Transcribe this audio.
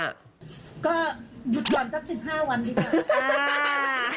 ก็หยุดก่อนสัก๑๕วันดีกว่า